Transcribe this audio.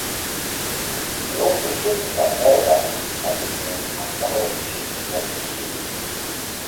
They also stated that Meridas had been named an Honorary Chief of the Sioux.